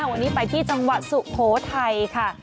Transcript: วันนี้ไปที่จังหวัดสุโขทัยค่ะ